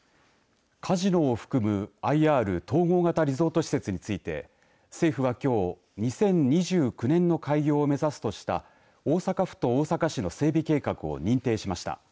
カジノを含むＩＲ、統合型リゾート施設について政府はきょう、２０２９年の開業を目指すとした大阪府と大阪市の整備計画を認定しました。